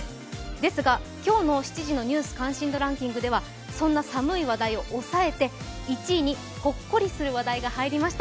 ですが今日の７時のニュース関心度ランキングではそんな寒い話題を抑えて１位にほっこりする話題が入りました。